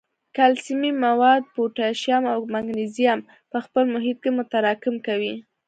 کلسیمي مواد، پوټاشیم او مګنیزیم په خپل محیط کې متراکم کوي.